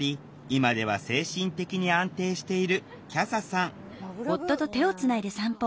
今では精神的に安定しているきゃささんラブラブ。